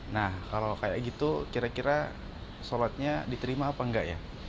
nah kalau kayak gitu kira kira sholatnya diterima apa enggak ya